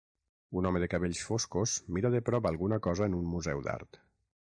Un home de cabells foscos mira de prop alguna cosa en un museu d'art.